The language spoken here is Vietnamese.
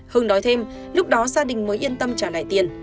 hưng nói thêm lúc đó gia đình mới yên tâm trả lại tiền